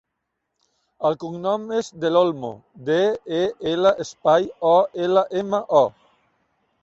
El cognom és Del Olmo: de, e, ela, espai, o, ela, ema, o.